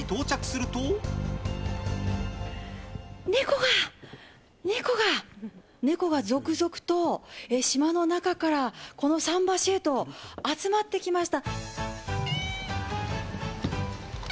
ネコが、ネコが、ネコが続々と島の中から、この桟橋へと集まってきました。